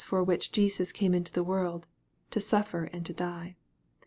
for which Jesus came into the world, to suffer and to die.